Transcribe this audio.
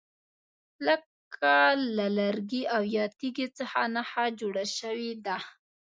لکه له لرګي او یا تیږي څخه نښه جوړه شوې ده.